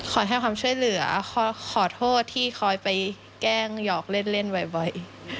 ให้ความช่วยเหลือขอโทษที่คอยไปแกล้งหยอกเล่นบ่อย